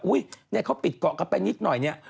เนี่ยเขาปิดเกาะกันไปนิดหน่อยเนี่ย